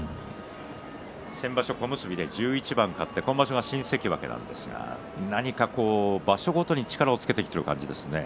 先場所小結で１１番今場所、新関脇ですが場所ごとに力をつけてきている感じですね。